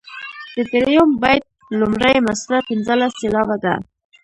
د دریم بیت لومړۍ مصرع پنځلس سېلابه ده.